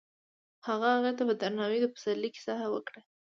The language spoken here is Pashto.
هغه هغې ته په درناوي د پسرلی کیسه هم وکړه.